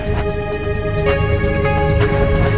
tidak ada apa apa